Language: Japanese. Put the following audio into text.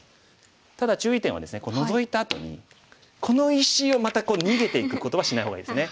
ただ注意点はですねノゾいたあとにこの石をまた逃げていくことはしない方がいいですね。